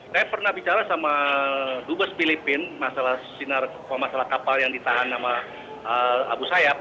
saya pernah bicara sama dubes filipin masalah kapal yang ditahan sama abu sayyaf